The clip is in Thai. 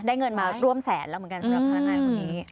เงินมาร่วมแสนแล้วเหมือนกันสำหรับพนักงานคนนี้